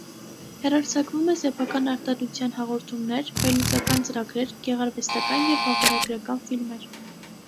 Հեռարձակում է սեփական արտադրության հաղորդումներ, վերլուծական ծրագրեր, գեղարվեստական և վավերագրական ֆիլմեր։